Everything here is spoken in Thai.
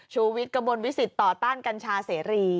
ชูวิทย์กระบวนวิสิตต่อต้านกัญชาเสรี